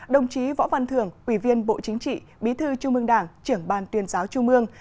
đồng chí võ văn thường ủy viên bộ chính trị bí thư trung ương đảng trưởng ban tuyên giáo trung mương